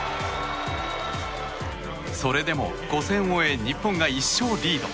それでも５戦を終え日本が１勝リード。